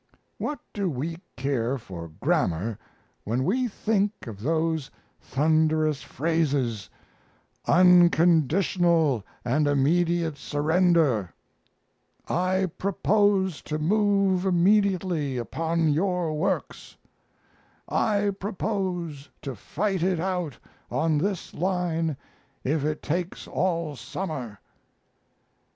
What do we care for grammar when we think of those thunderous phrases, "Unconditional and immediate surrender," "I propose to move immediately upon your works," "I propose to fight it out on this line if it takes all summer."